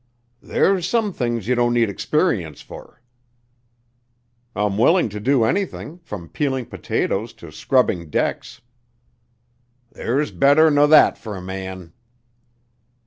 "There's some things yer don't need experience fer." "I'm willing to do anything from peeling potatoes to scrubbing decks." "There's better nor that fer a man."